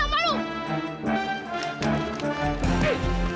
apa lu lagi sendiri